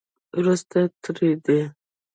وروسته تر دې